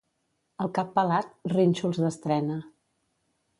Al cap pelat, rínxols d'estrena.